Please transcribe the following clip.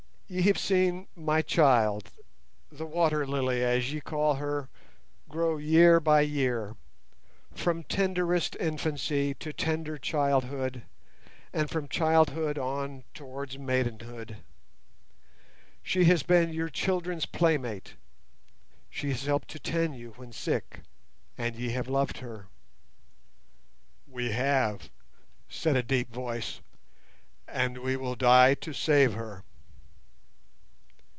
Ye have seen my child—the Water lily, as ye call her—grow year by year, from tenderest infancy to tender childhood, and from childhood on towards maidenhood. She has been your children's playmate, she has helped to tend you when sick, and ye have loved her." "We have," said a deep voice, "and we will die to save her."